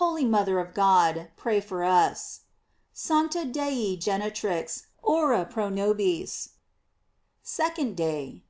Holy mother of God, pray for us; "Sancta Dei genitrix, ora pro nobis." SECOND DAY.